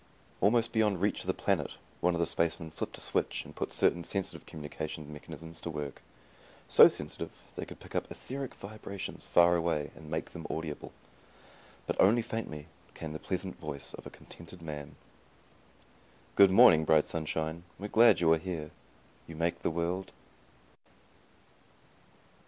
Almost beyond reach of the planet, one of the spacemen flipped a switch and put certain sensitive communication mechanisms to work. So sensitive, they could pick up etheric vibrations far away and make them audible. But only faintly, came the pleasant voice of a contented man: "Good morning, bright sunshine, We're glad you are here. You make the world